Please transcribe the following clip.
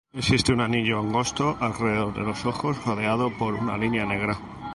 Existe un anillo angosto alrededor de los ojos, rodeado por una línea negra.